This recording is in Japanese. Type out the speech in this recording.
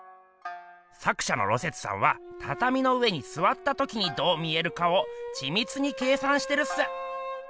作しゃの芦雪さんはたたみの上にすわったときにどう見えるかをちみつに計算してるっす。